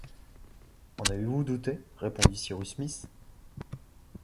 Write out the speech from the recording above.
En avez-vous douté répondit Cyrus Smith